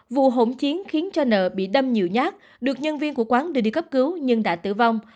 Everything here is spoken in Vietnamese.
vụ hỗn chiến khiến cho nợ bị đâm nhiều nhát được nhân viên của quán đưa đi cấp cứu nhưng đã tử vong